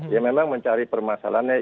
ya memang mencari permasalahannya